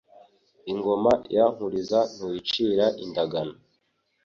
Ingoma ya Nkuriza Ntuyicira indagano